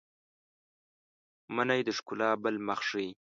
منی د ښکلا بل مخ ښيي